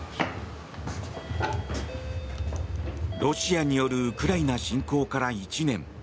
ロシアによるウクライナ侵攻から１年。